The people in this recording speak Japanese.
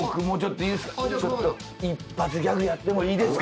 一発ギャグやってもいいですか？